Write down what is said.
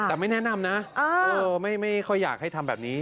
แต่ไม่แนะนำนะไม่ค่อยอยากให้ทำแบบนี้